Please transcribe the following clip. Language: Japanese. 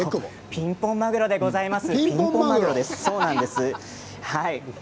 ピンポンまぐろでございます。